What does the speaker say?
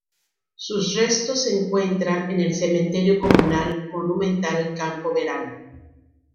Sus restos se encuentran en el cementerio comunal monumental Campo Verano.